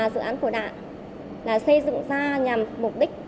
dự án của đại là xây dựng ra nhằm mục đích